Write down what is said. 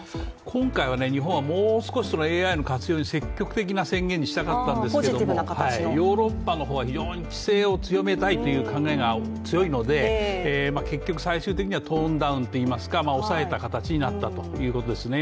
今回、日本はもう少しＡＩの活用に積極的な宣言にしたかったんですけれども、ヨーロッパの方は非常に規制を強めたいという考えが強いので結局、最終的にはトーンダウンといいますか抑えた形になったということですね。